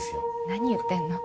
何言ってんの？